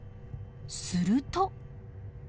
すると。